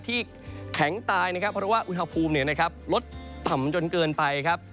ที่แข็งตายนะครับเพราะว่าอุณหภูมิลดต่ำจนเกินไปครับ